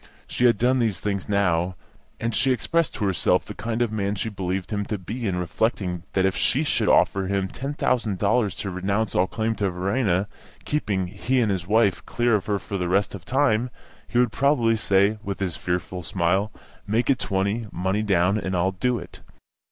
She had done these things now, and she expressed to herself the kind of man she believed him to be in reflecting that if she should offer him ten thousand dollars to renounce all claim to Verena, keeping he and his wife clear of her for the rest of time, he would probably say, with his fearful smile, "Make it twenty, money down, and I'll do it."